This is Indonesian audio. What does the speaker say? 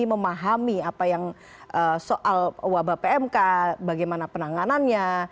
memahami apa yang soal wabah pmk bagaimana penanganannya